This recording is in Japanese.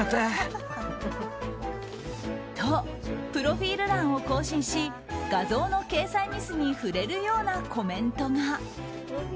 と、プロフィール欄を更新し画像の掲載ミスに触れるようなコメントが。